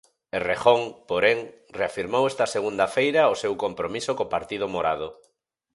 Errejón, porén, reafirmou esta segunda feira o seu compromiso co partido morado.